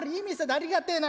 ありがてえな！